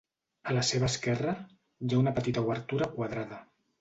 A la seva esquerra, hi ha una petita obertura quadrada.